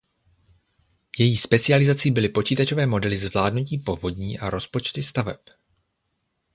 Její specializací byly počítačové modely zvládnutí povodní a rozpočty staveb.